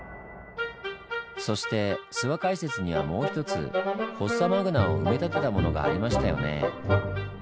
そして諏訪解説にはもう一つフォッサマグナを埋め立てたものがありましたよね？